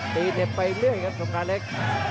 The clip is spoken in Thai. เหน็บไปเรื่อยครับสงการเล็ก